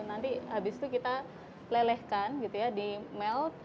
nanti habis itu kita lelehkan gitu ya di melt